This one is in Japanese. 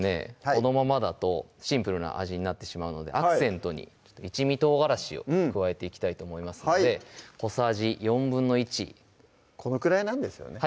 このままだとシンプルな味になってしまうのでアクセントに一味唐辛子を加えていきたいと思いますので小さじ１／４このくらいなんですよね？